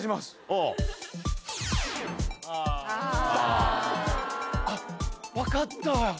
あぁ。あっ分かった。